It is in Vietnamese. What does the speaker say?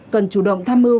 cần chủ động tham mưu